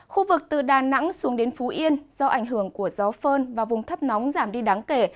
khu vực từ đà nẵng xuống đến phú yên do ảnh hưởng của gió phơn và vùng thấp nóng giảm đi đáng kể